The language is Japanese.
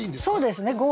そうですね。